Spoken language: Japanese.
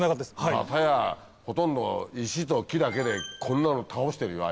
片やほとんど石と木だけでこんなの倒してるよ